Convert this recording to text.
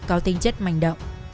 cao tinh chất mạnh động